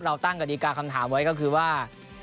เราตั้งกฎิกาคำถามไว้ก็คือว่า